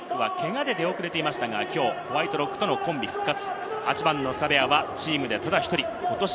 レタリックはけがで出遅れていましたが、ホワイトロックとのコンビ復活。